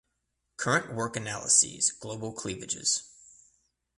Current work analyses global cleavages.